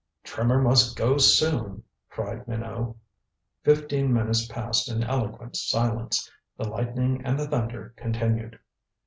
"Trimmer must go soon," cried Minot. Fifteen minutes passed in eloquent silence. The lightning and the thunder continued.